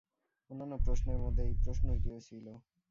অন্যান্য প্রশ্নের মধ্যে এই প্রশ্নটিও ছিল।